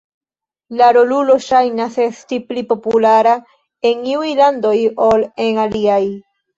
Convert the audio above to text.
La rolulo ŝajnas esti pli populara en iuj landoj ol en aliaj.